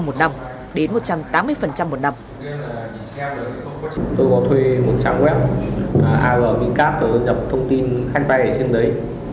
tôi có thuê một trang web arvcap tôi nhập thông tin khách vay ở trên đấy